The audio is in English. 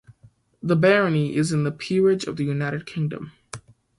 The Barony is in the Peerage of the United Kingdom.